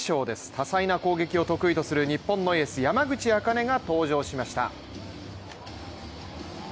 多彩な攻撃を得意とする日本のエース山口茜が登場しました。